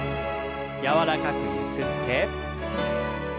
柔らかくゆすって。